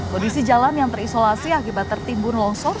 kondisi jalan yang terisolasi akibat tertimbun longsor